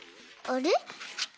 あれ？